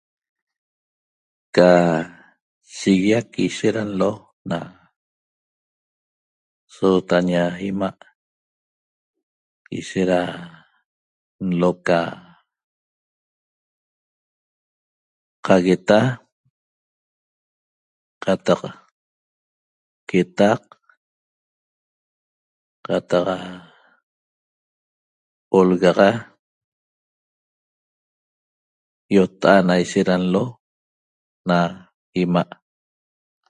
Ca shiguiac ishet da n'lo na sootaña ima' ishet da nlo' ca qagueta qataq quetaq qataq olgaxa ýotta'a't na ishet nlo' na ima'